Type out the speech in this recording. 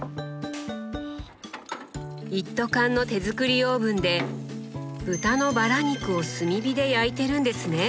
一斗缶の手作りオーブンで豚のバラ肉を炭火で焼いてるんですね！